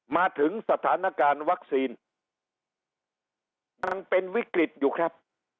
มาถึงสถานการณ์วัคซีนยังเป็นวิกฤตอยู่ครับ